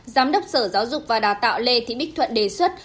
giám đốc sở giáo dục và đào tạo lê thị bích thuận đề xuất